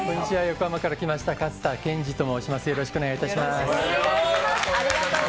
横浜から来ました勝田研司と申します、よろしくお願いいたします。